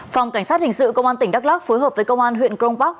phòng cảnh sát hình sự công an tỉnh đắk lắc phối hợp với công an huyện crong park